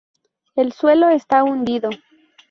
El suelo está hundido.